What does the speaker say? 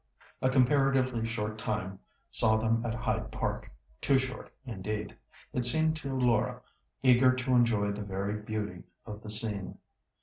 A comparatively short time saw them at Hyde Park—too short, indeed, it seemed to Laura, eager to enjoy the varied beauty of the scene.